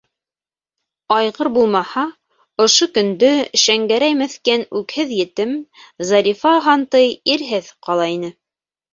Айғыр булмаһа, ошо көндө Шәңгәрәй меҫкен үкһеҙ етем, Зарифа һантый ирһеҙ ҡала ине.